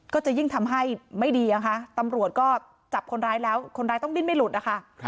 ก็จะยิ่งทำให้ไม่ดีอะค่ะตำรวจก็จับคนร้ายแล้วคนร้ายต้องดิ้นไม่หลุดนะคะ